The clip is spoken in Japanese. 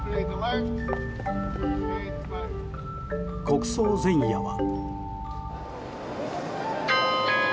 国葬前夜は。